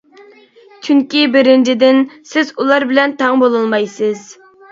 چۈنكى بىرىنچىدىن، سىز ئۇلار بىلەن تەڭ بولالمايسىز.